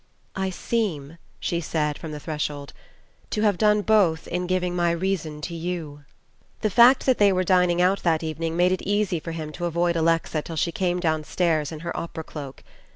"I seem," she said from the threshold, "to have done both in giving my reason to you." The fact that they were dining out that evening made it easy for him to avoid Alexa till she came downstairs in her opera cloak.